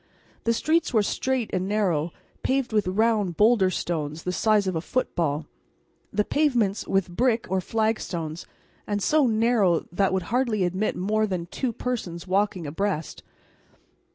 The streets were straight and narrow, paved with round boulder stones the size of a football, the pavements with brick or flagstones, and so narrow they would hardly admit of more than two persons walking abreast.